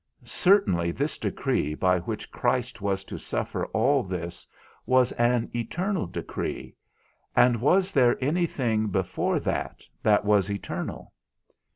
Certainly this decree by which Christ was to suffer all this was an eternal decree, and was there any thing before that that was eternal?